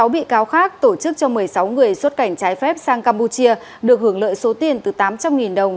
sáu bị cáo khác tổ chức cho một mươi sáu người xuất cảnh trái phép sang campuchia được hưởng lợi số tiền từ tám trăm linh đồng đến bốn triệu đồng